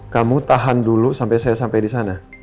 kamu tahan dulu sampe saya sampe di sana